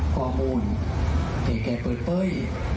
ข้อมูลให้แกเปิดเป้ย